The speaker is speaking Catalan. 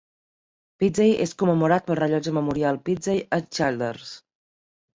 Pizzey és commemorat pel Rellotge Memorial Pizzey a Childers.